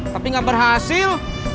tapi gak berhasil